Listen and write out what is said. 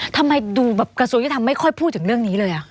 ทำไมดูแบบกระทรวงยุทธรรมไม่ค่อยพูดถึงเรื่องนี้เลย